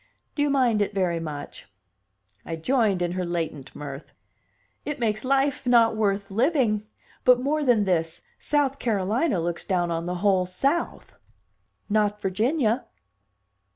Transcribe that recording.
"Do you mind it very much?" I joined in her latent mirth. "It makes life not worth living! But more than this, South Carolina looks down on the whole South." "Not Virginia."